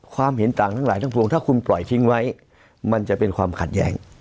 ความเห็นต่างทั้งหลายทั้งปวงถ้าคุณปล่อยทิ้งไว้มันจะเป็นความขัดแย้ง